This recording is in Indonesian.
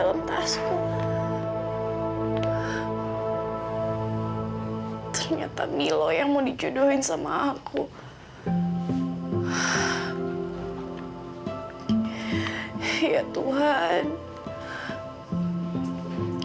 sampai jumpa di video selanjutnya